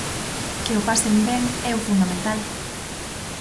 Que o pasen ben é o fundamental.